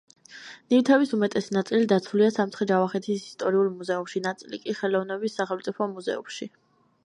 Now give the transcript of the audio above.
ნივთების უმეტესი ნაწილი დაცულია სამცხე-ჯავახეთის ისტორიულ მუზეუმში, ნაწილი კი ხელოვნების სახელმწიფო მუზეუმში.